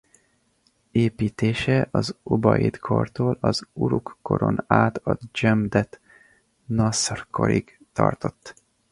Építése az Ubaid-kortól az Uruk-koron át a Dzsemdet Naszr-korig tartott.